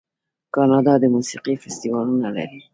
کاناډا د موسیقۍ فستیوالونه لري.